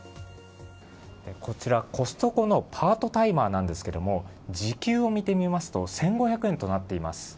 こちら、コストコのパートタイマーなんですが時給を見てみますと１５００円となっています。